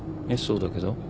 えっそうだけど。